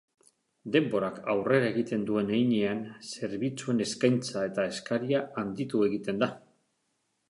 Denborak aurrera egiten duen heinean, zerbitzuen eskaintza eta eskaria handitu egiten da.